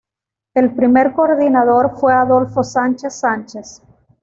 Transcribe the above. El primer Coordinador fue Adolfo Sánchez Sánchez.